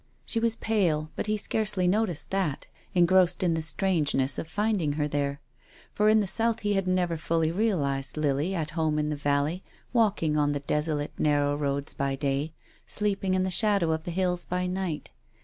She was pale, but he scarcely noticed that, engrossed in the strangeness of finding her there. For in the south he had never fully realised Lily at home in the valley, walking on the desolate narrow roads by day, sleeping in the sliadow of the hills by night.